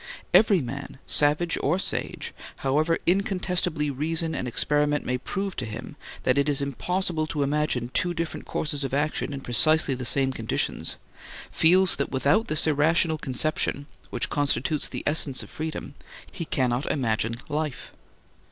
Every man, savage or sage, however incontestably reason and experiment may prove to him that it is impossible to imagine two different courses of action in precisely the same conditions, feels that without this irrational conception (which constitutes the essence of freedom) he cannot imagine life.